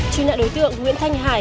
truy nã đối tượng nguyễn thanh hải